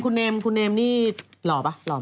คุณเนมคุณเนมนี่หล่อป่ะหล่อไหม